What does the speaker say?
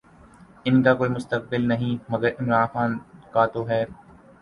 ان کا کوئی مستقبل نہیں، مگر عمران خان کا تو ہے۔